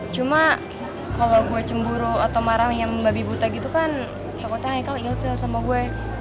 cuma kalo gue cemburu atau marah pengen mbak bibuta gitu kan takutnya haikal iltil sama gue